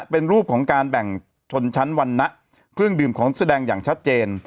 เป็นรูปของการแบ่งชนชั้นวรรณะเครื่องดื่มของแสดงอย่างชัดเจน